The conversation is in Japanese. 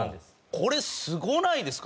これすごないですか？